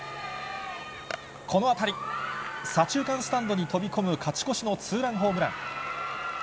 この当たり、左中間スタンドに飛び込む勝ち越しのツーランホームラン。